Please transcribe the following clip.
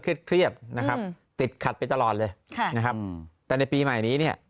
เครียดนะครับติดขัดไปตลอดเลยค่ะนะครับแต่ในปีใหม่นี้เนี่ย